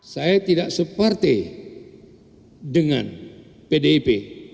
saya tidak seperti dengan pdip